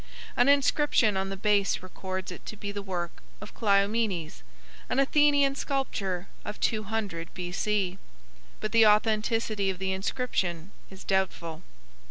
An inscription on the base records it to be the work of Cleomenes, an Athenian sculptor of 200 B.C., but the authenticity of the inscription is doubtful.